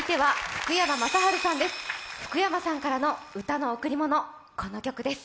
福山さんからの歌の贈り物、この曲です。